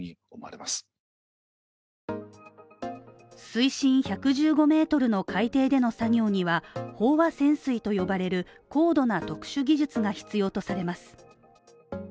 水深１１５ｍの海底での作業には飽和潜水と呼ばれる高度な特殊技術が必要とされます。